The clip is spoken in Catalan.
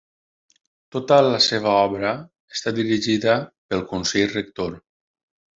Tota la seva obra està dirigida pel Consell Rector.